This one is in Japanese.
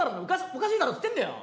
おかしいだろって言ってんだよ！